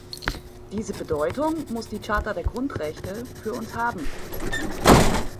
Diese Bedeutung muss die Charta der Grundrechte für uns haben.